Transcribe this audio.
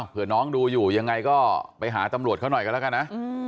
เพื่อน้องดูอยู่ยังไงก็ไปหาตำรวจเขาหน่อยกันแล้วกันนะ